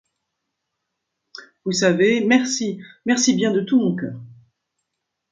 Vous savez, merci, merci bien de tout mon cœur !